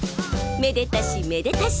めでたしめでたし